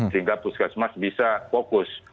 sehingga puskesmas bisa fokus